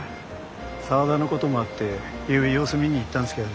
沢田のこともあってゆうべ様子見に行ったんですけど